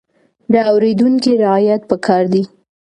د اورېدونکي رعايت پکار دی.